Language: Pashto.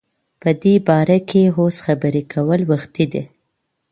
په دی باره کی اوس خبری کول وختی دی